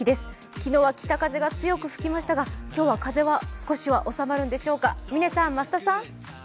昨日は北風が強く吹きましたが、今日は風は少しは収まるのでしょうか。